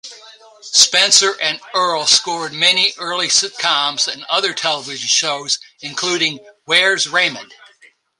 Spencer and Earle scored many early sitcoms and other television shows, including Where's Raymond?